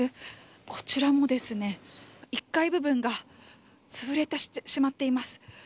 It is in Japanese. こちらも、１階部分がつぶれてしまっています。